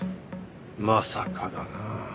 まさかだな。